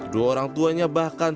dua orang tuanya bahkan